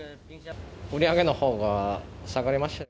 売り上げのほうは下がりました。